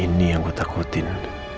ini yang aku takutin